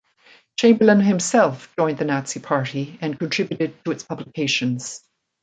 Chamberlain himself joined the Nazi Party and contributed to its publications.